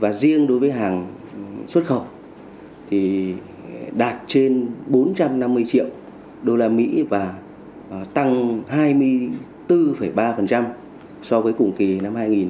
và riêng đối với hàng xuất khẩu thì đạt trên bốn trăm năm mươi triệu usd và tăng hai mươi bốn ba so với cùng kỳ năm hai nghìn một mươi chín